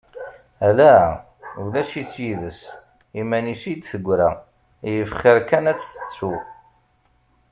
Ala! Ulac-itt yid-s, iman-is i d-tegra, yif xir kan ad tt-tettu.